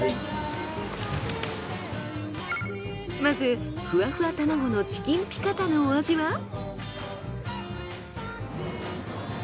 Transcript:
まずふわふわ卵のチキンピカタのお味は？